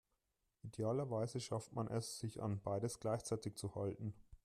Idealerweise schafft man es, sich an beides gleichzeitig zu halten.